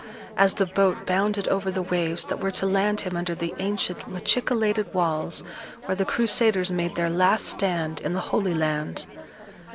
as the boat bounded over the waves that were to land him under the ancient machicolated walls where the Crusaders made their last stand in the Holy Land.